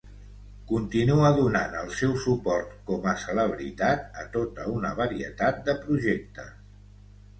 Continua donant el seu suport com a celebritat a tota una varietat de projectes.